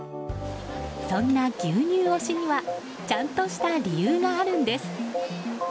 そんな牛乳推しにはちゃんとした理由があるんです。